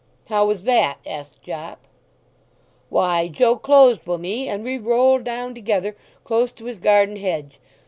"How was that?" asked Jopp. "Why—Joe closed wi' me, and we rolled down together, close to his garden hedge.